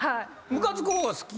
ムカつく方が好き。